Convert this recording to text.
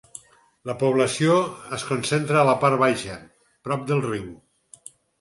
La població es concentra a la part baixa, prop del riu.